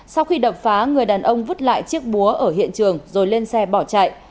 sau khi đập phá người đàn ông vứt lại chiếc búa ở hiện trường rồi lên xe bỏ chạy